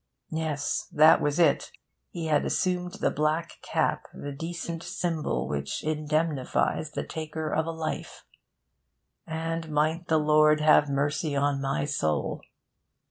Yes, that was it: he had assumed the black cap, that decent symbol which indemnifies the taker of a life; and might the Lord have mercy on my soul...